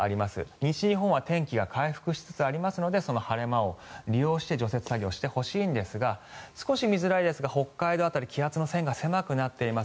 西日本は天気が回復しつつありますのでその晴れ間を利用して除雪作業をしてほしいんですが少し見づらいですが北海道辺り気圧の線が狭くなっています。